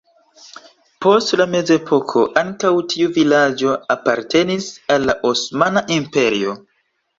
Post la mezepoko ankaŭ tiu vilaĝo apartenis al la Osmana Imperio.